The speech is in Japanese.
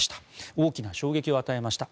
大きな衝撃を与えました。